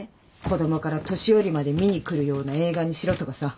子供から年寄りまで見に来るような映画にしろとかさ。